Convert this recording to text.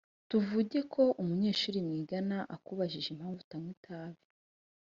tuvuge ko umunyeshuri mwigana akubajije impamvu utanywa itabi